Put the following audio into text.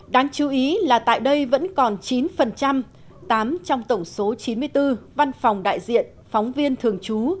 đáng chú ý là tại đây vẫn còn chín tám trong tổng số chín mươi bốn văn phòng đại diện phóng viên thường trú